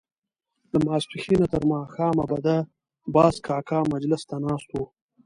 له ماسپښينه تر ماښامه به د باز کاکا مجلس ته ناست وو.